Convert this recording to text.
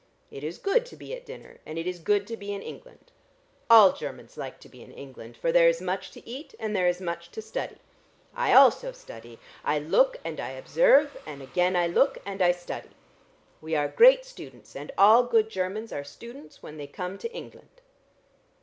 It is good to be at dinner, and it is good to be in England. All Chermans like to be in England, for there is much to eat and there is much to study. I also study; I look and I observe and again I look and I study. We are great students and all good Chermans are students when they come to England."